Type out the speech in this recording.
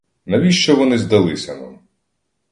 Навіщо вони здалися нам?